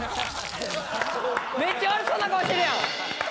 めっちゃ悪そうな顔してるやん！